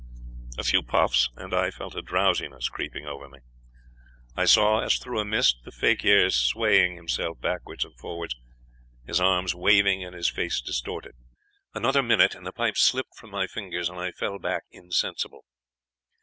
A few puffs, and I felt a drowsiness creeping over me. I saw, as through a mist, the fakir swaying himself backwards and forwards, his arms waving and his face distorted. Another minute, and the pipe slipped from my fingers, and I fell back insensible.